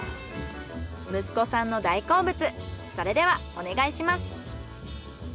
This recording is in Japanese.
息子さんの大好物それではお願いします。